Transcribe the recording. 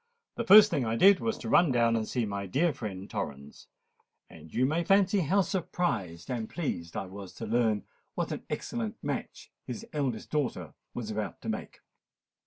The first thing I did was to run down and see my dear friend Torrens: and you may fancy how surprised and pleased I was to learn what an excellent match his eldest daughter was about to make."